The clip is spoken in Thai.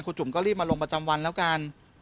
จุ๋มก็รีบมาลงประจำวันแล้วกัน